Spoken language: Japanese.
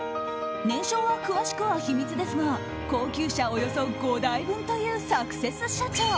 年商は詳しくは秘密ですが高級車およそ５台分というサクセス社長。